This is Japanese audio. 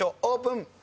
オープン。